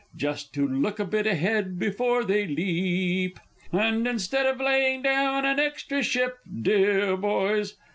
Just to look a bit ahead before they leap, And instead of laying down an extry ship, deah boys!